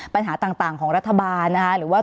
ปัญหาต่างของรัฐบาลนะคะหรือว่า